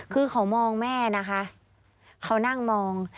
คือเขามองแม่นะคะเขานั่งมอง